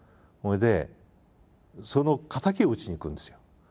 それでその仇を討ちに行くんですよ。